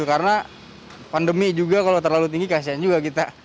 karena pandemi juga kalau terlalu tinggi kasian juga kita